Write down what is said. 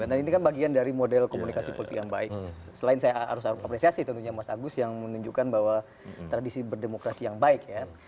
dan ini kan bagian dari model komunikasi politik yang baik selain saya harus apresiasi tentunya mas agus yang menunjukkan bahwa tradisi berdemokrasi yang baik ya